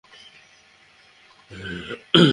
I love you!